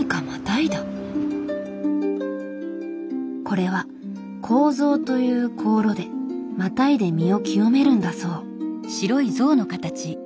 これは「香象」という香炉でまたいで身を清めるんだそう。